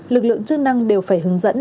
lực lượng chức năng đều phải hướng dẫn